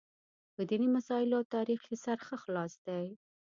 په دیني مسایلو او تاریخ یې سر ښه خلاص دی.